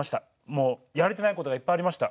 もうやれてないことがいっぱいありました。